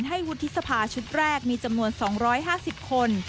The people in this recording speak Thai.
วุฒิสภาชุดแรกมีจำนวน๒๕๐คน